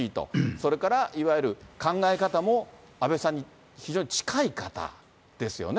それからいわゆる考え方も安倍さんに非常に近い方ですよね。